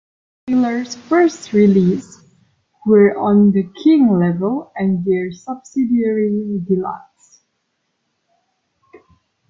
Taylor's first releases were on the King label and their subsidiary DeLuxe.